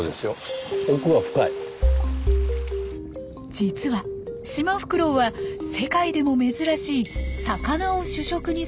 実はシマフクロウは世界でも珍しい魚を主食にするフクロウ。